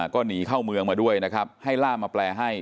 ก็หนีเข้าเมืองมาด้วยนะครับให้ล่ามาแปลให้